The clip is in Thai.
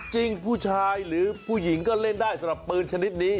ผู้ชายหรือผู้หญิงก็เล่นได้สำหรับปืนชนิดนี้